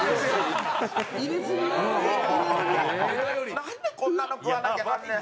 なんで、こんなの食わなきゃなんねえ？